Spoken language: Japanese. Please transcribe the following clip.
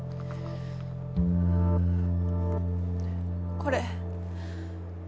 これ。